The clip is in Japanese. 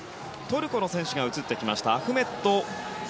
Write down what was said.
スイスの選手が映ってきました。